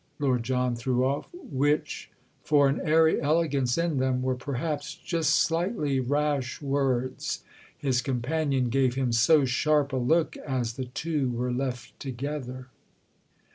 Lord John threw off. Which, for an airy elegance in them, were perhaps just slightly rash words—his companion gave him so sharp a look as the two were left together.